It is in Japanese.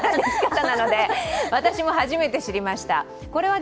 私も初めて知りました。